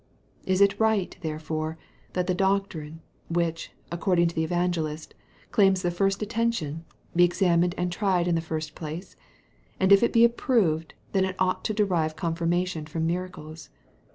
It is right, therefore, that the doctrine, which, according to the evangelist, claims the first attention, be examined and tried in the first place; and if it be approved, then it ought to derive confirmation from miracles.